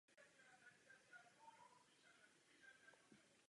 To sice nebude možné, ale alespoň jsme na dobré cestě.